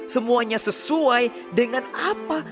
semuanya sesuai dengan allah